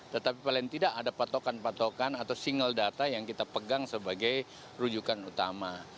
tetapi paling tidak ada patokan patokan atau single data yang kita pegang sebagai rujukan utama